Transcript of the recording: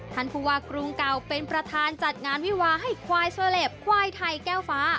ท่านผู้ว่ากรุงเก่าเป็นประธานจัดงานวิวาให้ควายโซเลปควายไทยแก้วฟ้า